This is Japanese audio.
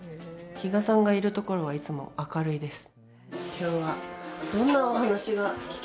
比嘉さんがいる所はいつも明るいです。